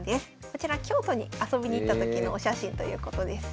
こちら京都に遊びに行った時のお写真ということです。